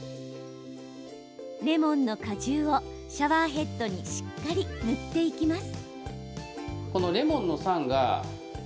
レモンの果汁をシャワーヘッドにしっかり塗っていきます。